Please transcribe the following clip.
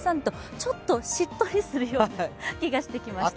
ちょっとしっとりするような気がしてきました。